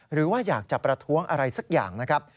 หรือว่าอยากจะประท้วงอะไรสักอย่างนะครับ